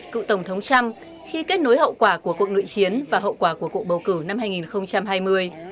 cựu tổng thống trump khi kết nối hậu quả của cuộc nội chiến và hậu quả của cuộc bầu cử năm hai nghìn hai mươi